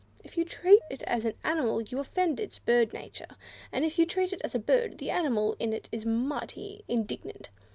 If you treat it as an animal, you offend its bird nature, and if you treat it as a bird, the animal in it is mighty indignant.